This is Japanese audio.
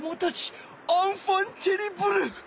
アンファンテリブル！